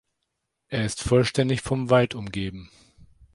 Er ist vollständig vom Wald umgeben.